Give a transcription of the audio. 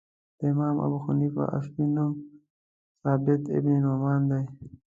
د امام ابو حنیفه اصلی نوم ثابت بن نعمان دی .